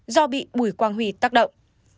do bị bùi quang hủy tác động